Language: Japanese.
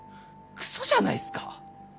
クソじゃないすか？